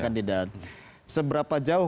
kandidat seberapa jauh